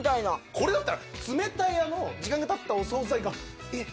これだったら冷たいあの時間がたったお総菜が「えっ？